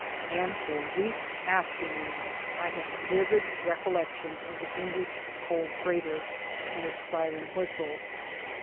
And for weeks afterward I had livid recollections of the English coal freighter and its siren whistle.